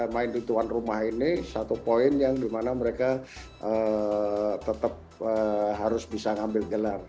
main di tuan rumah ini satu poin yang dimana mereka tetap harus bisa ngambil gelar